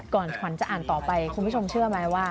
ขวัญจะอ่านต่อไปคุณผู้ชมเชื่อไหมว่า